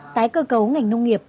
tái cơ cấu ngành nông nghiệp